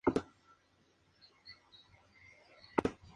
Fue miembro de Nuevas Generaciones de Álava.